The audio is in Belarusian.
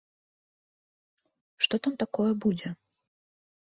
Што там такое будзе?